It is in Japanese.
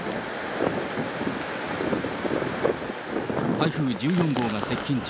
台風１４号が接近中。